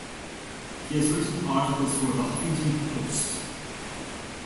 He has written articles for "The Huffington Post".